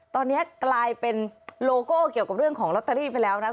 ตอนนี้กลายเป็นโลโก้เกี่ยวกับเรื่องของลอตเตอรี่ไปแล้วนะ